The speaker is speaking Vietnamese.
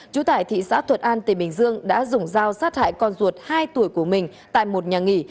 trú tại thị xã thuật an tây bình dương đã dùng dao sát hại con ruột hai tuổi của mình tại một nhà nghỉ